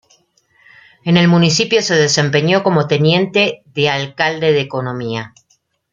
En el municipio se desempeñó como Teniente de alcalde de economía.